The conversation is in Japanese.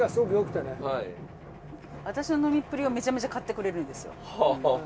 私の飲みっぷりをめちゃめちゃ買ってくれるんですよ。